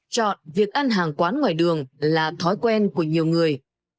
chọn việc ăn hàng quán ngoài đường là thói quen của nhiều người